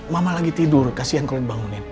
mama lagi tidur kasian kalau dibangunin